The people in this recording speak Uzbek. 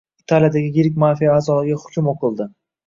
Italiyadagi yirik mafiya a’zolariga hukm o‘qilding